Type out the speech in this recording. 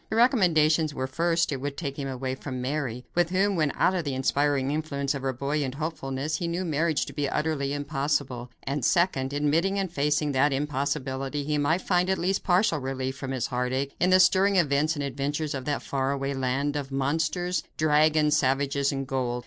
The recommendations were, first, it would take him away from Mary, with whom when out of the inspiring influence of her buoyant hopefulness he knew marriage to be utterly impossible; and second, admitting and facing that impossibility, he might find at least partial relief from his heartache in the stirring events and adventures of that faraway land of monsters, dragons, savages and gold.